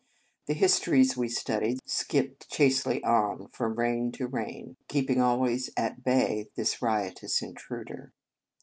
The histories we studied skipped chastely on from reign to reign, keeping always at bay this riotous intruder.